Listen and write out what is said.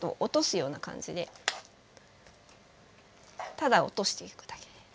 ただ落としていくだけ。